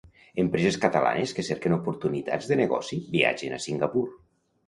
Empreses catalanes que cerquen oportunitats de negoci viatgen a Singapur.